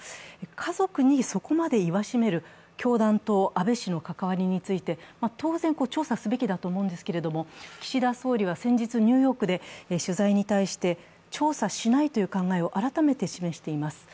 家族にそこまで言わしめる教団と安倍氏の関わりについて当然、調査すべきだと思うんですけれども、岸田総理は先日ニューヨークで取材に対して、調査しないという考えを改めて示しています。